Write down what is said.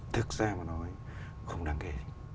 thực ra mà nói không đáng kể